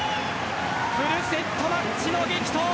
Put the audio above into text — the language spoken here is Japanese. フルセットマッチの激闘。